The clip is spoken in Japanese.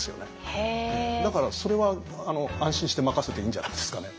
だからそれは安心して任せていいんじゃないですかね。